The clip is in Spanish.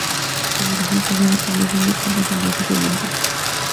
Como resultado, la población de cobras salvajes aumentó.